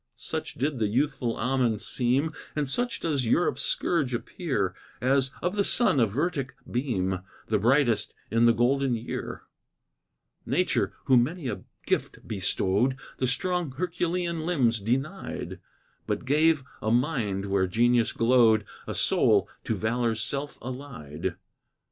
Such did the youthful Ammon seem, And such does Europe's scourge appear, As, of the sun, a vertic beam, The brightest in the golden year. Nature, who many a gift bestowed, The strong herculean limbs denied, But gave a mind, where genius glowed, A soul, to valor's self allied.